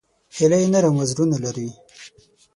هیلۍ نرم وزرونه لري